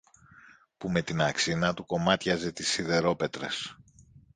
που με την αξίνα του κομμάτιαζε τις σιδερόπετρες